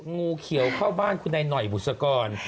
งูเขียวเข้าบ้านคุณนายหน่อยบุษกร